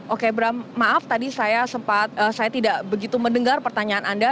oke bram maaf tadi saya sempat saya tidak begitu mendengar pertanyaan anda